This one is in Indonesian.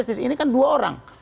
ini kan dua orang